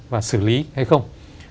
và xử lý hay không